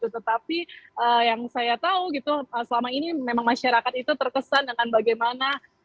tetapi yang saya tahu gitu selama ini memang masyarakat itu terkesan dengan bagaimana